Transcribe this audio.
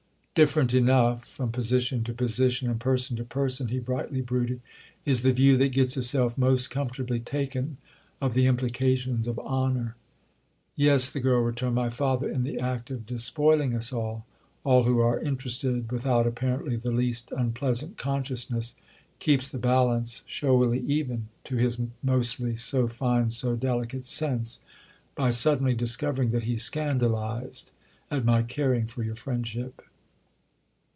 "Different enough, from position to position and person to person," he brightly brooded, "is the view that gets itself most comfortably taken of the implications of Honour!" "Yes," the girl returned; "my father, in the act of despoiling us all, all who are interested, without apparently the least unpleasant consciousness, keeps the balance showily even, to his mostly so fine, so delicate sense, by suddenly discovering that he's scandalised at my caring for your friendship."